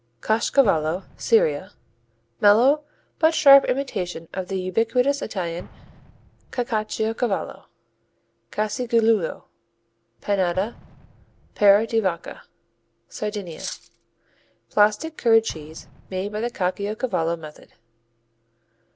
Cashkavallo Syria Mellow but sharp imitation of the ubiquitous Italian Cacciocavallo. Casigiolu, Panedda, Pera di vacca Sardinia Plastic curd cheese, made by the Caciocavallo method.